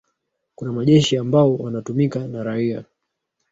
kuna majeshi ambao wanatumika na raia